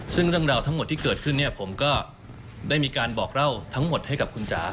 ซึ่งเรื่องราวทั้งหมดที่เกิดขึ้นเนี่ยผมก็ได้มีการบอกเล่าทั้งหมดให้กับคุณจ๋า